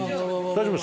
大丈夫。